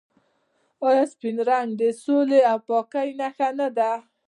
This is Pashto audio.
آیا سپین رنګ د سولې او پاکۍ نښه نه ده؟